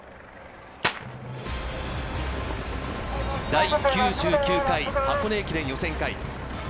第９９回箱根駅伝予選会。